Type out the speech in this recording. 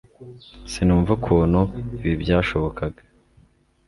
sinumva ukuntu ibi byashobokaga